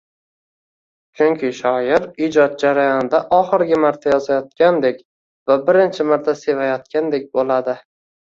Chunki shoir ijod jarayonida oxirgi marta yozayotgandek va birinchi marta sevayotgandek boʻladi